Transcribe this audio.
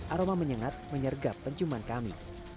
aroma menyengat menyergap penciuman kami